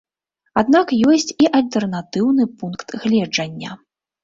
Аднак ёсць і альтэрнатыўны пункт гледжання.